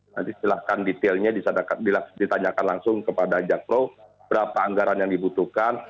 nanti silahkan detailnya ditanyakan langsung kepada jakpro berapa anggaran yang dibutuhkan